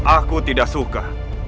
aku tidak suka